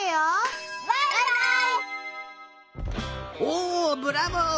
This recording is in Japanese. おブラボー！